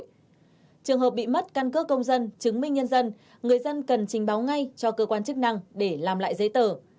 trường hợp bị mất căn cước công dân chứng minh nhân dân người dân cần trình báo ngay cho cơ quan chức năng để làm lại giấy tờ